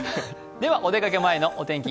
お出かけ前のお天気